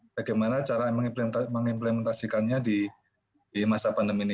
bagaimana cara mengimplementasikannya di masa pandemi ini